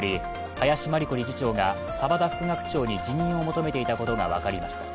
林真理子理事長が沢田副学長に辞任を求めていたことが分かりました。